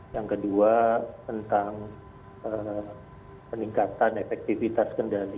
yang kedua tentang peningkatan efektivitas kendali